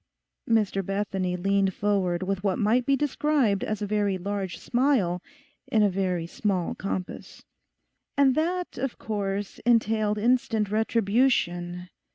Mr Bethany leaned forward with what might be described as a very large smile in a very small compass. 'And that, of course, entailed instant retribution.